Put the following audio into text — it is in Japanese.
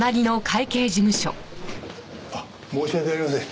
申し訳ありません。